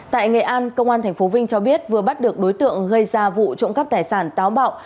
tại nghệ an công an tp vinh cho biết vừa bắt được đối tượng gây ra vụ trộm cắp tài sản táo bạo